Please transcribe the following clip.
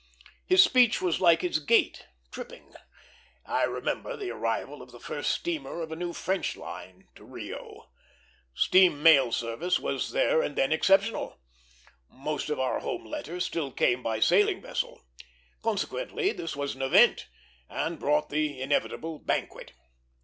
His speech was like his gait, tripping. I remember the arrival of the first steamer of a new French line to Rio. Steam mail service was there and then exceptional; most of our home letters still came by sailing vessel; consequently, this was an event, and brought the inevitable banquet.